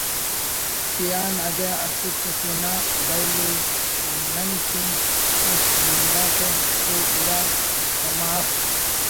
تیان اگہ اسٹ اسے نا ڈول ءِ نن کن خوش کننگاکہ تو گڑا سما اف